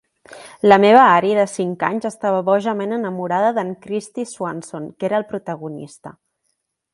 La meva Ari, de cinc anys, estava bojament enamorada d'en Kristy Swanson, que era el protagonista.